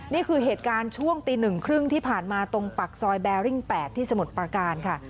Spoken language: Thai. นี่คือเหตุการณ์ช่วงตี๑๓๐ที่ผ่านมาตรงปากซอยแบริ่ง๘ที่สมุทรประการค่ะ